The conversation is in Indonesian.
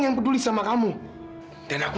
yang peduli sama kamu dan aku